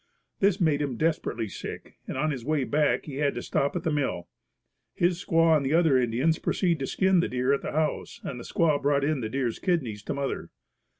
This made him desperately sick and on his way back he had to stop at the mill. His squaw and the other Indians proceeded to skin the deer at the house and the squaw brought in the deer's kidneys to mother.